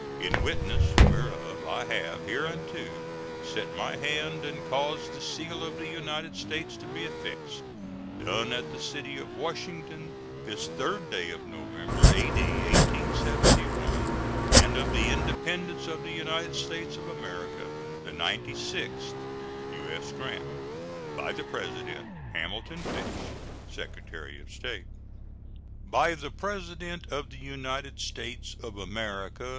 In witness whereof I have hereunto set my hand and caused the seal of the United States to be affixed. Done at the city of Washington, this 3d day of November, A.D. 1871, and of the Independence of the United States of America the ninety sixth. [SEAL.] U.S. GRANT. By the President: HAMILTON FISH, Secretary of State. BY THE PRESIDENT OF THE UNITED STATES OF AMERICA.